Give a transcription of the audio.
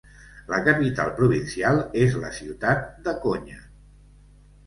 La capital provincial és la ciutat de Konya.